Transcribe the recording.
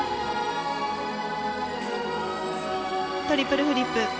トリプルフリップ。